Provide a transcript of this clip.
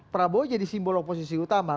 prabowo jadi simbol oposisi utama